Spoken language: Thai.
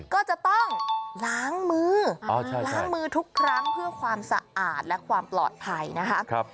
ก็จะต้องล้างมือล้างมือทุกครั้งเพื่อความสะอาดและความปลอดภัยนะคะ